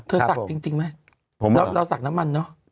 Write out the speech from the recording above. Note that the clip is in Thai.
ศักดิ์จริงไหมเราสักน้ำมันเนอะ